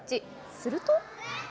すると。